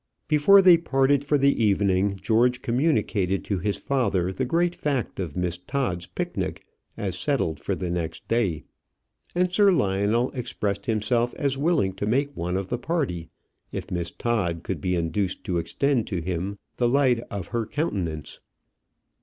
Before they parted for the evening, George communicated to his father the great fact of Miss Todd's picnic as settled for the next day; and Sir Lionel expressed himself as willing to make one of the party if Miss Todd could be induced to extend to him the light of her countenance.